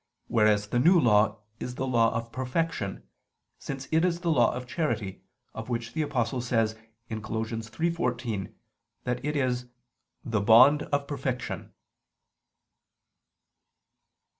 3:24), whereas the New Law is the law of perfection, since it is the law of charity, of which the Apostle says (Col. 3:14) that it is "the bond of perfection."